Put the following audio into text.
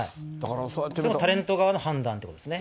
それはタレント側の判断ということですね。